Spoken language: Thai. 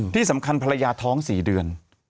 ที่สำคัญภรรยาท้อง๔เดือน